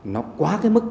nó quá cái mức